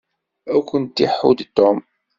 Ad kent-iḥudd Tom.